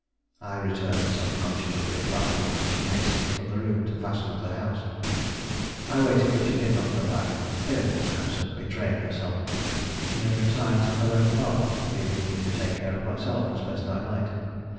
I returned some nonchalant reply, and she hastened from the room to fasten up the house. I waited, but she did not come back; fearful, perhaps, of betraying herself, she had retired to her own apartment, leaving me to take care of myself as best I might.